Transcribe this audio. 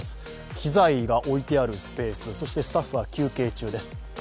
機材が置いてあるスペース、そしてスタッフは休憩中です。